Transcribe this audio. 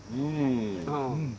うん。